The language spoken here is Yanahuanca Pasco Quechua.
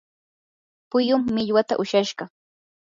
puyum millwata ushashqa.